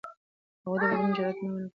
هغوی د بدلون جرئت ونه کړ.